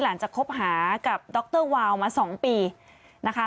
หลังจากคบหากับดรวาวมาสองปีนะคะ